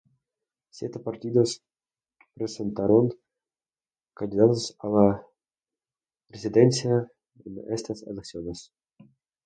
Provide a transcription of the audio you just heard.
Siete partidos presentaron candidatos a la presidencia en estas elecciones.